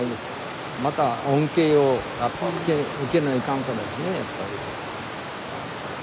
また恩恵をやっぱ受けないかんからですねやっぱり。